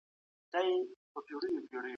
په تيارو کي ژوند کول ډېر ګران وي.